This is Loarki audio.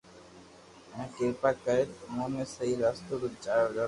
ھين ڪرپا ڪرين اموني ي سھي راستو تو چاڙو